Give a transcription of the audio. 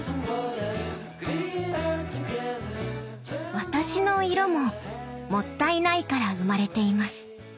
私の色ももったいないから生まれています。